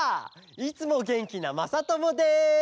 いつもげんきなまさともです！